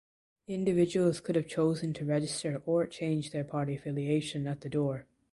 Individuals could have chosen to register or change their party affiliation at the door.